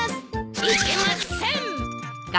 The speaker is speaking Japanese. いけません！